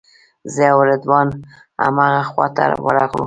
زه او رضوان همغه خواته ورغلو.